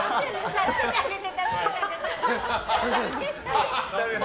助けてあげて。